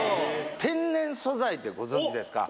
天然素材ってご存じですか。